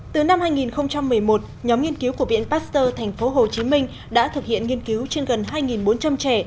từ năm hai nghìn một mươi một nhóm nghiên cứu của viện pasteur tp hcm đã thực hiện nghiên cứu trên gần hai bốn trăm linh trẻ